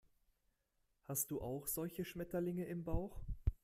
Hast du auch solche Schmetterlinge im Bauch?